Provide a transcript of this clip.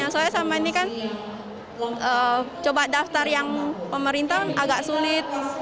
soalnya selama ini kan coba daftar yang pemerintah agak sulit